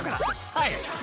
はい！］